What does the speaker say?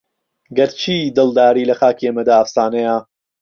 گەر چی دڵداری لە خاکی ئێمەدا ئەفسانەیە